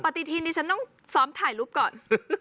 ปฏิทีนี้ฉันต้องซ้อมถ่ายรูปก่อน